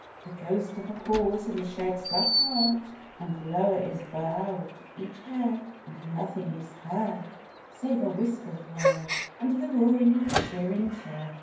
The ghost of a pause in the shed's rough heart, And lower is bowed each head; And nothing is heard, save a whispered word, And the roar of the shearing shed.